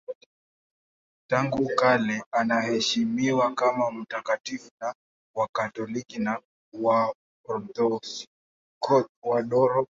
Tangu kale anaheshimiwa kama mtakatifu na Wakatoliki na Waorthodoksi.